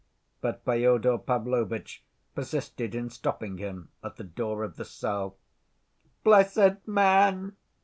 But Fyodor Pavlovitch persisted in stopping him at the door of the cell. "Blessed man!"